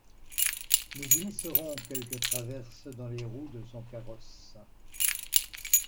Nous glisserons quelques traverses dans les roues de son carrosse.